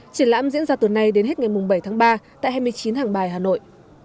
triển lãm diễn ra từ nay đến hết ngày bảy tháng ba tại hai mươi chín hàng bài hà nội